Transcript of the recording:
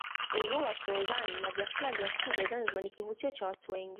uzuri wa forodhani na vyakula vya asili vya Zanzibar ni kivutio cha watu wengi